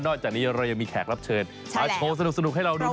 จากนี้เรายังมีแขกรับเชิญมาโชว์สนุกให้เราดูด้วย